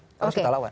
terus kita lawan